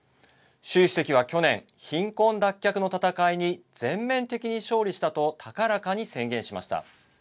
習主席は去年、貧困脱却の戦いに全面的に勝利したと高らかに宣言しました。